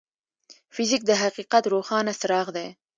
فزیک د حقیقت روښانه څراغ دی.